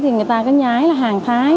thì người ta có nhái là hàng thái